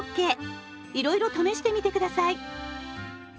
いろいろ試してみて下さい。